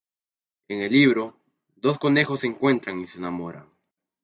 En el libro, dos conejos se encuentran y se enamoran.